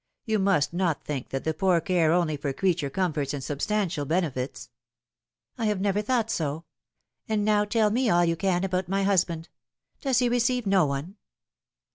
You must not think that the poor care only for creature com forts and substantial benefits." " I have never thought so. And now tell me all you can about my husband. Does he receive no one